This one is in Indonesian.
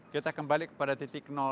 kita kembali kepada titik